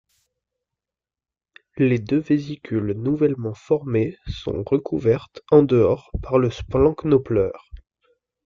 Les deux vésicules nouvellement formées sont recouvertes en dehors par le splanchnopleure.